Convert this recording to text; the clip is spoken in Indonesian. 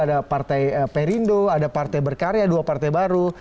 ada partai perindo ada partai berkarya dua partai baru